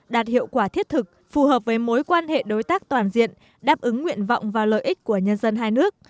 đạt hiệu quả thiết thực phù hợp với mối quan hệ đối tác toàn diện đáp ứng nguyện vọng và lợi ích của nhân dân hai nước